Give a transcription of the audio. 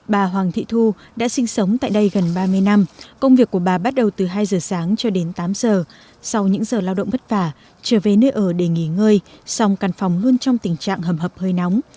bà hoàng thị thu đã sinh sống tại đây gần ba mươi năm công việc của bà bắt đầu từ hai giờ sáng cho đến tám giờ sau những giờ lao động vất vả trở về nơi ở để nghỉ ngơi song căn phòng luôn trong tình trạng hầm hập hơi nóng